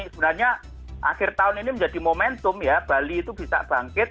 sebenarnya akhir tahun ini menjadi momentum ya bali itu bisa bangkit